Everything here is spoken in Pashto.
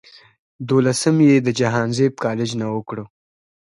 دولسم ئې د جهانزيب کالج نه اوکړو